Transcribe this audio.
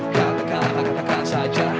katakanlah katakan saja